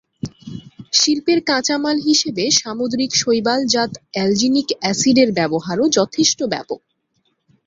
শিল্পের কাঁচামাল হিসেবে সামুদ্রিক শৈবালজাত অ্যালজিনিক এসিডের ব্যবহারও যথেষ্ট ব্যাপক।